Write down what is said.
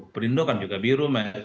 perindo kan juga biru